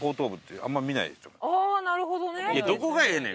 ああーなるほどね。